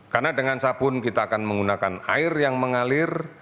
karena dengan sabun kita akan menggunakan air yang mengalir